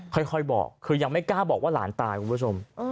ค่อยบอกคือยังไม่กล้าบอกว่าหลานตายคุณผู้ชม